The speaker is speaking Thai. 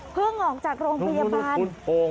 เพิ่งออกจากโรงพยาบาล